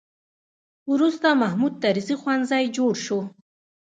وروسته محمود طرزي ښوونځی جوړ شو.